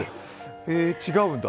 違うんだ。